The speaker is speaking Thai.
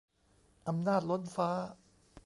อำนาจล้นฟ้า